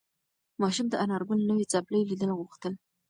ماشوم د انارګل نوې څپلۍ لیدل غوښتل.